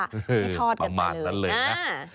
ให้ทอดกันเลย